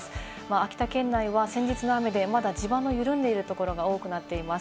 秋田県内は先日の雨でまだ地盤の緩んでいるところが多くなっています。